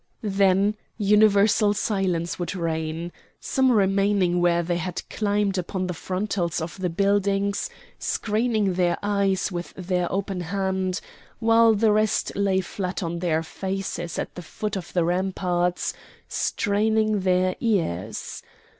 Then universal silence would reign, some remaining where they had climbed upon the frontals of the buildings, screening their eyes with their open hand, while the rest lay flat on their faces at the foot of the ramparts straining their ears.